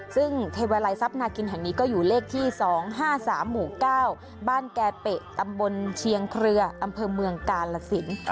ซึ่งเทวาลัยทรัพย์นากินแห่งนี้ก็อยู่เลขที่๒๕๓หมู่๙บ้านแก่เปะตำบลเชียงเครืออำเภอเมืองกาลสิน